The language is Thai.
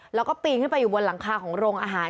แล้วก็ปีนขึ้นไปอยู่บนหลังคาของโรงอาหาร